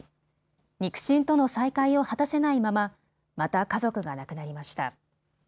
肉親との再会を果たせないまままた家族が亡くなりました。